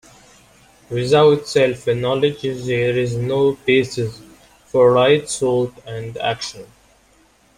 Without self-knowledge there is no basis for right thought and action.